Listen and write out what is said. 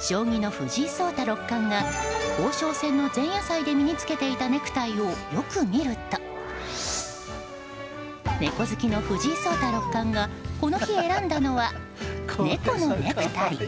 将棋の藤井聡太六冠が王将戦の前夜祭で身に着けていたネクタイをよく見ると猫好きの藤井聡太六冠がこの日、選んだのは猫のネクタイ。